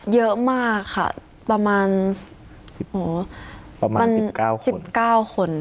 เยอะมากค่ะประมาณ๑๙๑๙คน